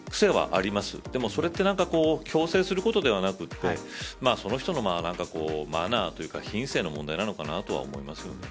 でも、それって強制することではなくてその人のマナーというか品性の問題なのかなとは思いますよね。